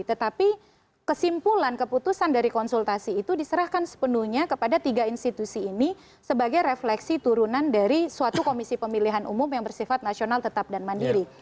tetapi kesimpulan keputusan dari konsultasi itu diserahkan sepenuhnya kepada tiga institusi ini sebagai refleksi turunan dari suatu komisi pemilihan umum yang bersifat nasional tetap dan mandiri